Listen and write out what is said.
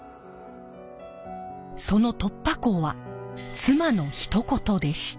その突破口は妻のひと言でした。